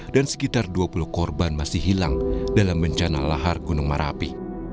dan sekitar dua puluh korban masih hilang dalam bencana lahar gunung marapi